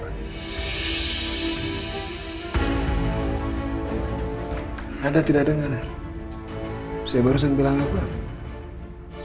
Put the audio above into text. anda tidak dengar saya baru saja bilang apa